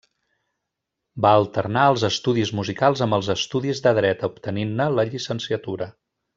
Va alternar els estudis musicals amb els estudis de dret, obtenint-ne la llicenciatura.